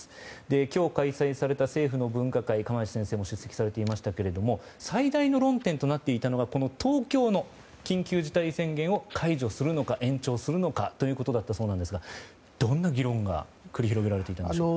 今日開催された政府の分科会釜萢先生も出席されていましたけど最大の論点となっていたのは東京の緊急事態宣言を解除するのか延長するのかということだったそうですがどんな議論が繰り広げられていたんでしょうか。